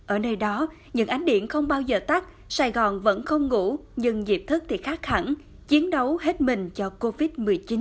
ở nơi đó những ánh điện không bao giờ tắt sài gòn vẫn không ngủ nhưng dịp thức thì khác hẳn chiến đấu hết mình cho covid một mươi chín